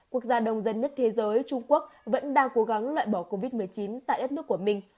quốc gia đông dân nhất thế giới trung quốc vẫn đang cố gắng loại bỏ covid một mươi chín tại đất nước của mình